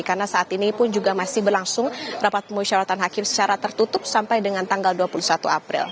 karena saat ini pun juga masih berlangsung rapat pemusyawatan hakim secara tertutup sampai dengan tanggal dua puluh satu april